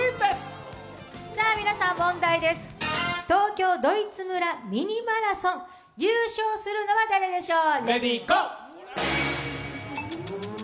東京ドイツ村「ミニマラソン」優勝するのは誰でしょう？